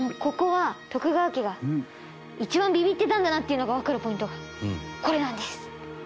ここは徳川家が一番ビビってたんだなっていうのがわかるポイントがこれなんです。